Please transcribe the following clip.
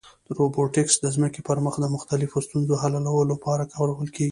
روبوټیکس د ځمکې پر مخ د مختلفو ستونزو حلولو لپاره کارول کېږي.